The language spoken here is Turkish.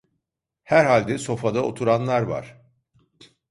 Herhalde sofada oturanlar var!